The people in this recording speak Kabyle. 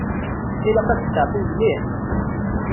Ilaq ad testeɛfum mliḥ.